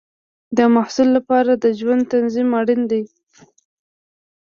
د محصل لپاره د ژوند تنظیم اړین دی.